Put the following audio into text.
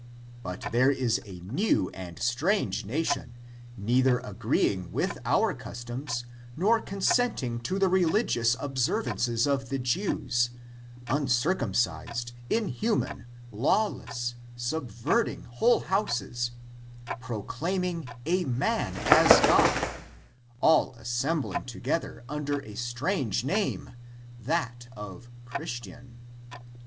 But there is a new and strange nation, neither agreeing with our customs nor consenting to the religious ob servances of the Jews, uncircumcised, inhuman, law less, subverting whole houses, proclaiming a man as God, all assembling together under a strange name, that of Christian.